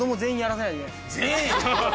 全員！